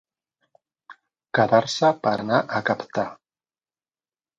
Quedar-se per anar a captar.